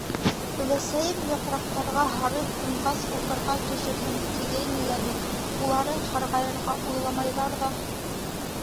Өләсәйем, япраҡтарға һары ҡунғас уҡырға төшөрһөң, тигәйне лә бит, улары һарғайырға уйламайҙар ҙа.